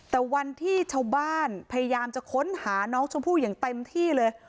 แต่วันที่ชาวบ้านพยายามจะค้นหาน้องชมพู่อย่างเต็มที่เลย